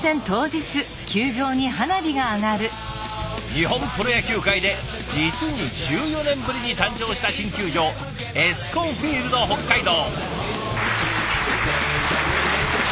日本プロ野球界で実に１４年ぶりに誕生した新球場エスコンフィールド北海道。